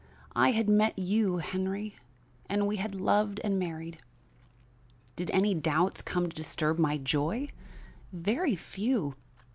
I had met you, Henry, and we had loved and married. "Did any doubts come to disturb my joy? Very few.